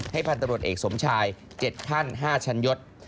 พันธุ์ตำรวจเอกสมชาย๗ขั้น๕ชั้นยศ